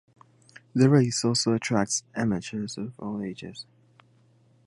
The race also attracts amateurs of all ages.